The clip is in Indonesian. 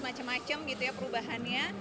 macem macem gitu ya perubahannya